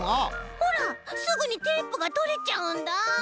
ほらすぐにテープがとれちゃうんだ。